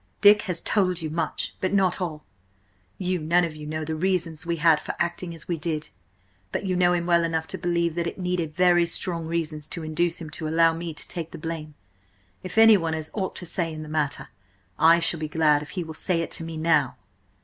"Dick has told you much, but not all. You none of you know the reasons we had for acting as we did. But you know him well enough to believe that it needed very strong reasons to induce him to allow me take the blame. If anyone has aught to say in the matter, I shall be glad if he will say it to me–now!"